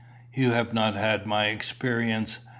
You have not had my experience.